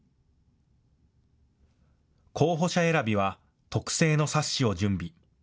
候補者選びは特製の冊子を準備。